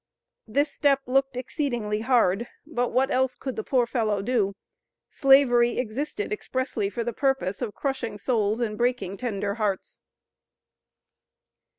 This step looked exceedingly hard, but what else could the poor fellow do? Slavery existed expressly for the purpose of crushing souls and breaking tender hearts.